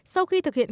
sau khi thực hiện